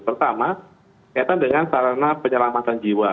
pertama kaitan dengan sarana penyelamatan jiwa